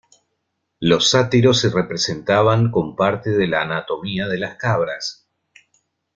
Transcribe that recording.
Los sátiros se representaban con parte de la anatomía de las cabras.